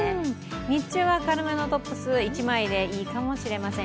日中は軽めのトップス１枚でいいかもしれません。